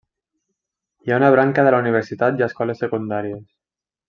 Hi ha una branca de la universitat i escoles secundàries.